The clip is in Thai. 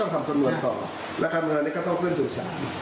ก็ต้องทำสำนวนต่อราคาเงินเนี่ยก็ต้องขึ้นสื่อสาร